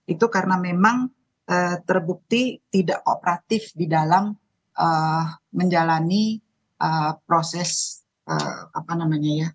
itu karena memang terbukti tidak kooperatif di dalam menjalani proses apa namanya ya